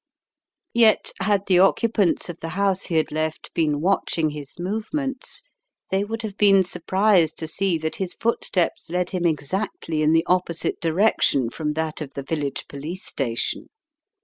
Yet had the occupants of the house he had left been watching his movements they would have been surprised to see that his footsteps led him exactly in In the Doctor's Surgery 193 the opposite direction from that of the village police station.